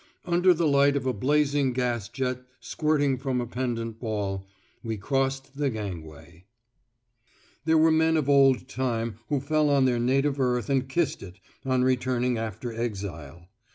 Under the light of a blazing gas jet squirting from a pendant ball, we crossed the gangway. There were men of old time who fell on their native earth and kissed it, on returning after exile.